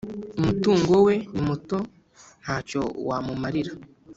Umutungo we nimuto ntacyo wamumarira